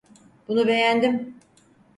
Bunu beğendim.